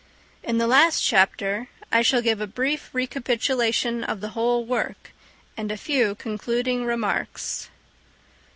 In the last chapter I shall give a brief recapitulation of the whole work, and a few concluding remarks.